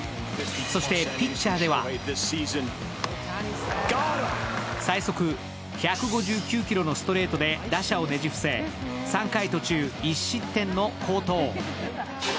そしてピッチャーでは最速１５９キロのストレートで打者をねじ伏せ３回途中１失点の好投。